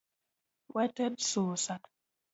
Wated susa